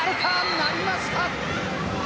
なりました。